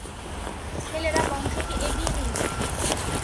ছেলেরা বংশকে এগিয়ে নিয়ে যায়।